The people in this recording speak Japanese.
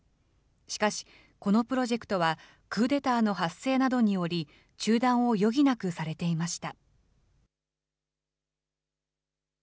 しかし、このプロジェクトはクーデターの発生などにより、中断を余儀なくされていました。